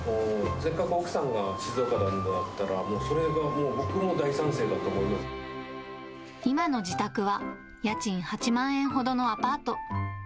せっかく奥さんが静岡なんだったら、もうそれは、僕も大賛成だと今の自宅は、家賃８万円ほどのアパート。